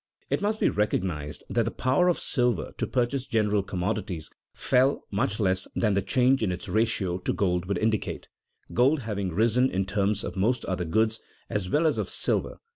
It must be recognized that the power of silver to purchase general commodities fell much less than the change in its ratio to gold would indicate, gold having risen in terms of most other goods as well as of silver.